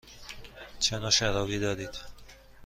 چه نوع شرابی دارید؟